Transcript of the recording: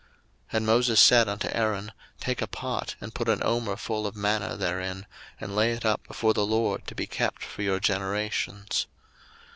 02:016:033 And Moses said unto Aaron, Take a pot, and put an omer full of manna therein, and lay it up before the LORD, to be kept for your generations.